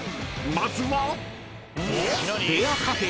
［まずは］